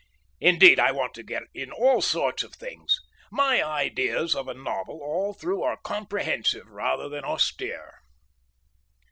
Indeed, I want to get in all sorts of things. My ideas of a novel all through are comprehensive rather than austere....